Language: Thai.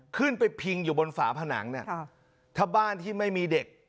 พิงอยู่บนฝาผนังเนี่ยถ้าบ้านที่ไม่มีเด็ก